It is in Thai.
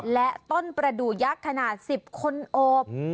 และต้นประดูกยักษ์ขนาด๑๐คนโอบ